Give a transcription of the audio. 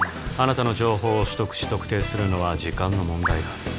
「貴方の情報を取得し特定するのは時間の問題だ」